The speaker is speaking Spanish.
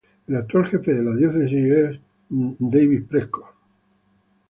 El actual jefe de la Diócesis es el Obispo David Prescott Talley.